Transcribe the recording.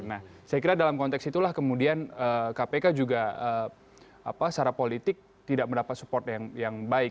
nah saya kira dalam konteks itulah kemudian kpk juga secara politik tidak mendapat support yang baik